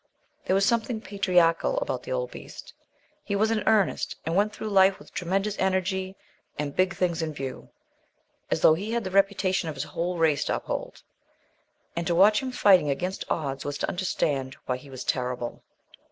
There was something patriarchal about the old beast. He was in earnest, and went through life with tremendous energy and big things in view, as though he had the reputation of his whole race to uphold. And to watch him fighting against odds was to understand why he was terrible.